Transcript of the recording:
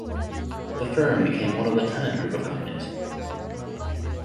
The firm became one of the Tennant group of companies.